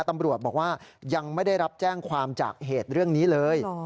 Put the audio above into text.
ตำรวจบอกว่ายังไม่ได้รับแจ้งความจากเหตุเรื่องนี้เลย